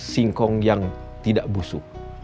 singkong yang tidak busuk